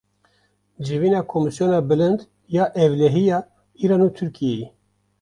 Civîna komîsyona bilind ya ewlehiya Îran û Tirkiyeyê